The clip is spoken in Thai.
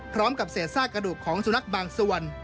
พร้อมกับเสร็จซากกระดูกของสุนัขบางสวรรค์